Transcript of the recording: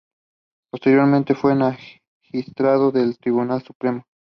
Posteriormente fue magistrado del Tribunal Supremo.